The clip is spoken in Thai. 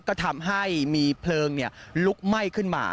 ก็ทำให้มีเพลิงลุกไหม้ขึ้นมา